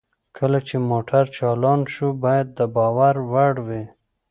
کله چې موټر چالان شو باید د باور وړ وي